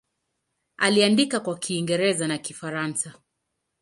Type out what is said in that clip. Aliandika kwa Kiingereza na Kifaransa.